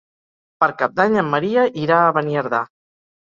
Per Cap d'Any en Maria irà a Beniardà.